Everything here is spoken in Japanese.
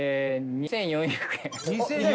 ２４００円！